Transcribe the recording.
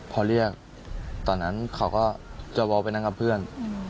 พอเรียกตอนนั้นเขาก็จะวอล์ไปนั่งกับเพื่อน